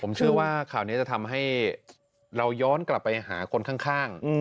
ผมเชื่อว่าข่าวนี้จะทำให้เราย้อนกลับไปหาคนข้าง